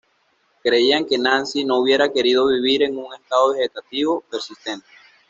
Creían que Nancy no hubiera querido vivir en un estado vegetativo persistente.